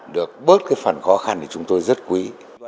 được bớt cái phần khó khăn thì chúng tôi rất quý